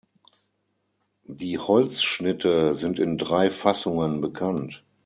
Die Holzschnitte sind in drei Fassungen bekannt.